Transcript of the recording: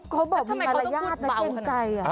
เพราะบอกมีมารยาทไม่เกรงใจ